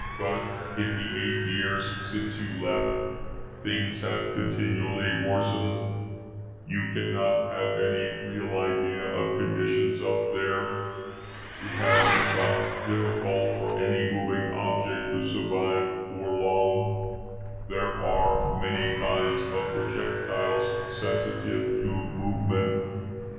But in the eight years since you left, things have continually worsened. You cannot have any real idea of conditions up there. It has become difficult for any moving object to survive for long. There are many kinds of projectiles sensitive to movement.